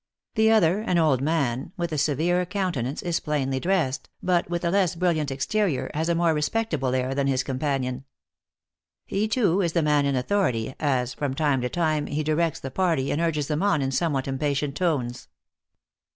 The other, an old man, with a severe countenance, is plainly dressed, but, with a less brilliant exterior, has a more respectable air than his companion. He, too, is the man in authority as, from time to time, he directs the party and urges them on in somewhat impatient tones.